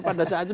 pada saat itu